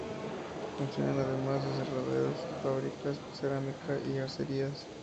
Funcionan además aserraderos, fabricas de cerámica y acerías.